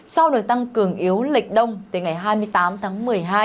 sau nổi tăng cường yếu lịch đông từ ngày hai mươi tám tháng một mươi hai